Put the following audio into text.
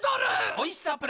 おいしさプラス